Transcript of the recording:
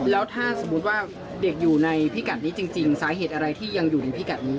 แล้วถ้าสมมุติว่าเด็กอยู่ในพิกัดนี้จริงสาเหตุอะไรที่ยังอยู่ในพิกัดนี้